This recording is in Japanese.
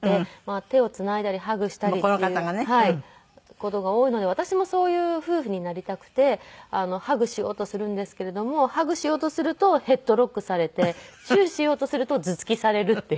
事が多いので私もそういう夫婦になりたくてハグしようとするんですけれどもハグしようとするとヘッドロックされてチューしようとすると頭突きされるっていう。